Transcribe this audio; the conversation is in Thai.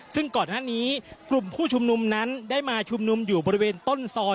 ซึ่งก่อนหน้านี้กลุ่มผู้ชุมนุมนั้นได้มาชุมนุมอยู่บริเวณต้นซอย